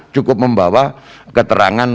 cukup membawa keterangan